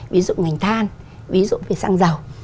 ví dụ ngành than ví dụ về xăng dầu